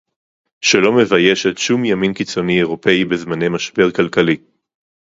שלא מביישת שום ימין קיצוני אירופי בזמני משבר כלכלי